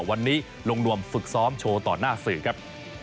วันนี้ลงรวมฝึกซ้อมโชว์ต่อหน้าสื่อครับ